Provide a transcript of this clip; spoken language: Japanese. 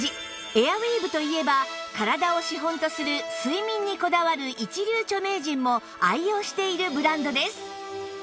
エアウィーヴといえば体を資本とする睡眠にこだわる一流著名人も愛用しているブランドです